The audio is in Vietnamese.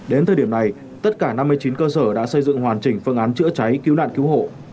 đến thời điểm này tất cả năm mươi chín cơ sở đã xây dựng hoàn chỉnh phương án chữa cháy cứu nạn cứu hộ